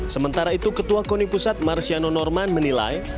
sementara itu ketua koni pusat marsiano norman menilai